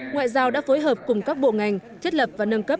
ngoại giao đã phối hợp cùng các bộ ngành thiết lập và nâng cấp